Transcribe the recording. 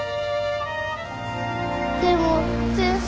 でも先生